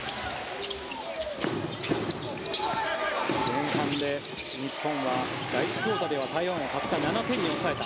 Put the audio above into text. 前半で日本は第１クオーターでは台湾をたった７点に抑えた。